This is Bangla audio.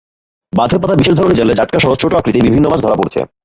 বাঁধে পাতা বিশেষ ধরনের জালে জাটকাসহ ছোট আকৃতির বিভিন্ন মাছ ধরা পড়ছে।